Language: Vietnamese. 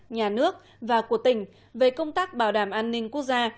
nhà nước và của tỉnh về công tác bảo đảm an ninh quốc gia